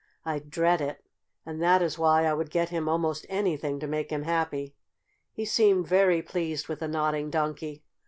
I dread it, and that is why I would get him almost anything to make him happy. He seemed very pleased with the Nodding Donkey."